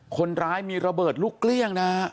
คนร้ายมีระเบิดลูกเกลี้ยงนะฮะ